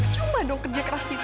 cuma dong kerja keras kita